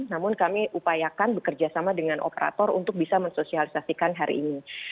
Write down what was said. namun kami upayakan bekerjasama dengan operator untuk bisa mensosialisasikan hari ini